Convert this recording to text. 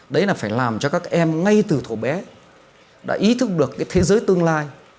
đó là phải làm cho các em ngay từ nhỏ đã ý thức được thế giới tương lai